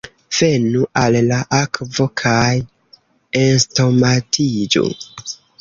Venu al la akvo, kaj enstomakiĝu!